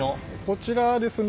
こちらですね